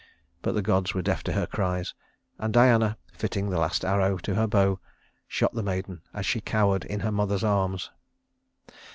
But the gods were deaf to her cries, and Diana, fitting the last arrow to her bow, shot the maiden as she cowered in her mother's arms.